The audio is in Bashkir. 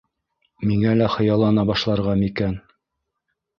Миңә лә хыяллана башларға микән?